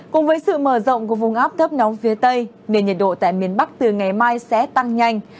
cùng với sự mở rộng của vùng áp thấp nóng phía tây nền nhiệt độ tại miền bắc từ ngày mai sẽ tăng nhanh